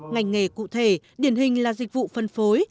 ngành nghề cụ thể điển hình là dịch vụ phân phối